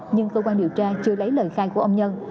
nhưng cơ quan điều tra chưa lấy lời khai của ông nhân